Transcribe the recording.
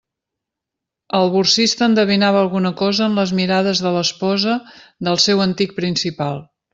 El borsista endevinava alguna cosa en les mirades de l'esposa del seu antic principal.